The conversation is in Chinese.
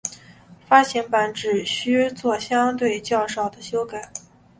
发行版只需要作相对少的修改。